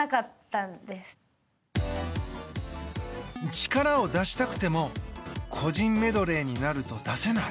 力を出したくても個人メドレーになると出せない。